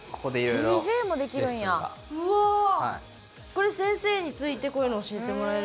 これ先生に付いてこういうのを教えてもらえる？